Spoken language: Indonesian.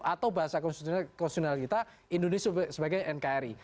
atau bahasa konstitusional kita indonesia sebagai nkri